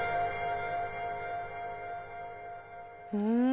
うん。